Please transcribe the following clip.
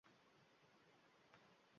Koreyaga ishga ketish uchun esa